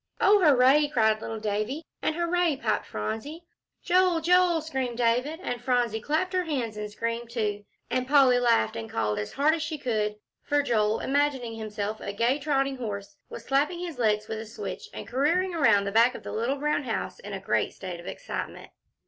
"Oh, hooray!" cried little Davie, and, "Hooray!" piped Phronsie. "Joel Joel!" screamed David; and Phronsie clapped her hands and screamed too, and Polly laughed and called as hard as she could, for Joel, imagining himself a gay trotting horse, was slapping his legs with a switch, and careering around the back of the little brown house in a great state of excitement.